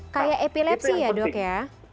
kayak epilepsi ya dok ya